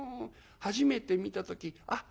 初めて見た時あっ